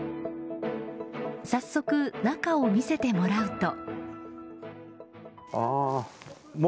早速、中を見せてもらうと。